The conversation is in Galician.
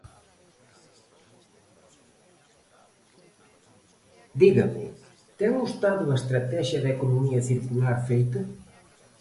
Dígame, ¿ten o Estado a Estratexia de economía circular feita?